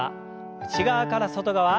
内側から外側。